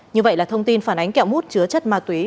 như vậy là thông tin phản ánh kẹo mút chứa chất ma túy